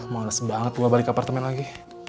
males banget gue balik apartemen lagi